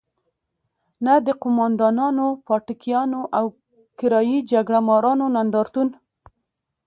نه د قوماندانانو، پاټکیانو او کرايي جګړه مارانو نندارتون.